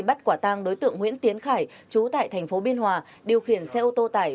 bắt quả tăng đối tượng nguyễn tiến khải chú tại tp biên hòa điều khiển xe ô tô tải